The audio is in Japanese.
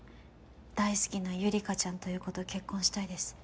「大好きなゆりかちゃんという子と結婚したいです」